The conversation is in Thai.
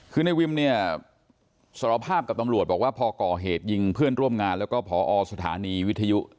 คือในวิมเนี่ยสารภาพกับตำรวจบอกว่าพอก่อเหตุยิงเพื่อนร่วมงานแล้วก็พอสถานีวิทยุ